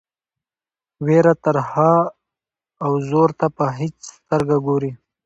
وېره ترهه او زور ته په هیڅ سترګه ګوري.